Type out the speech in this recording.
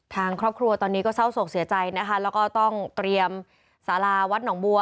ทางครอบครัวตอนนี้ก็เศร้าโศกเสียใจนะคะแล้วก็ต้องเตรียมสาราวัดหนองบัว